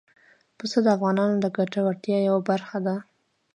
پسه د افغانانو د ګټورتیا یوه برخه ده.